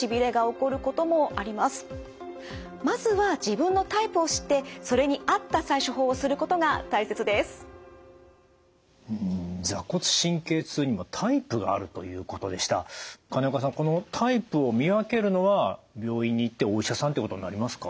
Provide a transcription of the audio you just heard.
このタイプを見分けるのは病院に行ってお医者さんということになりますか？